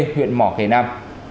huyện mỏ kề nam